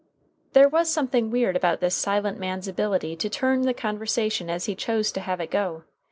There was something weird about this silent man's ability to turn the conversation as he chose to have it go.